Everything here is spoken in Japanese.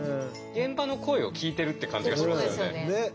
現場の声を聞いてるっていう感じがしますよね。